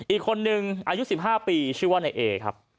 อีกคนนึงอายุ๑๕ปีชื่อว่านายเอครับ